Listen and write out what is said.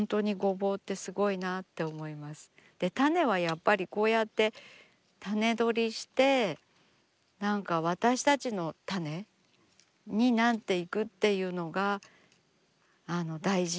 種はやっぱりこうやって種取りして何か私たちの種になっていくっていうのが大事なんですね。